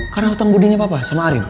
karena hutang budinya papa sama arin